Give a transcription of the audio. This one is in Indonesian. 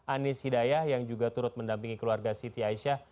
anies hidayah yang juga turut mendampingi keluarga siti aisyah